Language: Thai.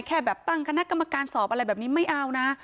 แค่แบบตั้งคณะกรรมการสอบอะไรแบบนี้ไม่เอานะ